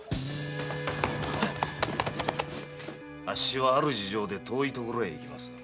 「あっしはある事情で遠いところへ行きます」